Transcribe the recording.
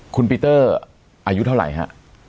คุณปีเตอร์อายุเท่าไหร่ฮะ